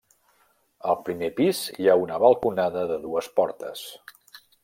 Al primer pis hi ha una balconada de dues portes.